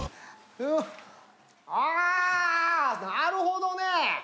あなるほどね！